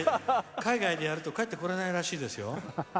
海外でやると帰って来れないらしいですよ。